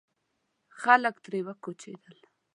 خلک ترې وکوچېدل.